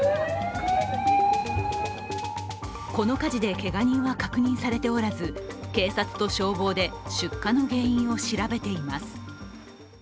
この火事で、けが人は確認されておらず警察と消防で出火の原因を調べています。